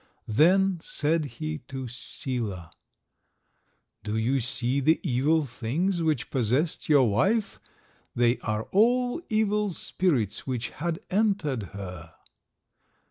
Then said he to Sila— "Do you see the evil things which possessed your wife? They are all evil spirits which had entered her."